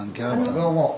どうも。